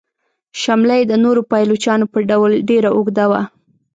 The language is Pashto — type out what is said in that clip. شمله یې د نورو پایلوچانو په ډول ډیره اوږده وه.